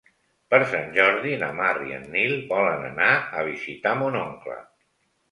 Per Sant Jordi na Mar i en Nil volen anar a visitar mon oncle.